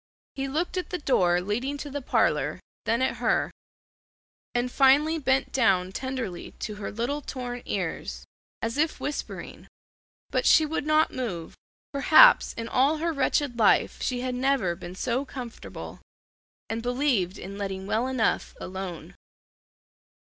He looked at the door leading to the parlor, then at her; and finally bent down tenderly to her little torn ears, as if whispering, but she would not move. Perhaps in all her wretched life she had never been so comfortable, and believed in letting well enough alone.